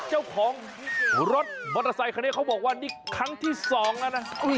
เจ้าของรถมอเตอร์ไซคันนี้เขาบอกว่านี่ครั้งที่๒แล้วนะ